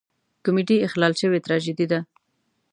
کمیډي اخلال شوې تراژیدي ده.